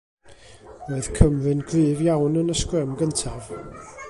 Roedd Cymru'n gryf iawn yn y sgrym gyntaf.